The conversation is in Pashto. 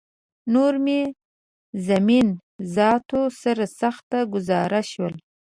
نور مې زمین ذاتو سره سخته ګوزاره شوله